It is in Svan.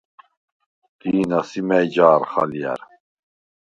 დი̄ნა, სი მა̈ჲ ჯა̄რხ ალჲა̈რ?